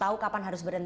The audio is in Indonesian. tahu kapan harus berhenti